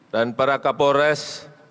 dan para kapolres